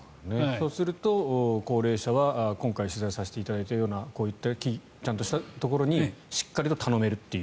そうすると高齢者は今回取材させていただいたようなこういったちゃんとしたところにしっかりと頼めるという。